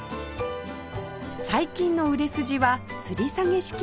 最近の売れ筋はつり下げ式の花火